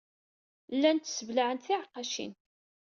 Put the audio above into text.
Llant sseblaɛent tiɛeqqacin.